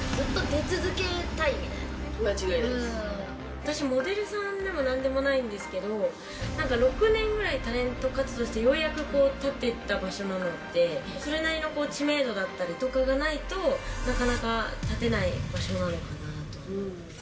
私モデルさんでもなんでもないんですけど６年ぐらいタレント活動してようやく立てた場所なのでそれなりの知名度だったりとかがないとなかなか立てない場所なのかなと。